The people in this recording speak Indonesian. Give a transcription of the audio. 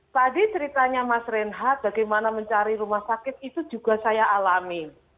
tadi ceritanya mas reinhardt bagaimana mencari rumah sakit itu juga saya alami